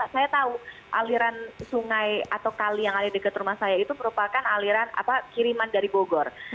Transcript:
saya tahu aliran sungai atau kali yang ada dekat rumah saya itu merupakan aliran kiriman dari bogor